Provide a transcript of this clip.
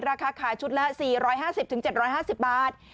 ราคาขายชุดละ๔๕๐๗๕๐บาท